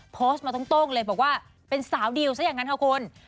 โพสต์มาตรงเลยบอกว่าเป็นสาวดิวซะอย่างนั้นค่ะคุณ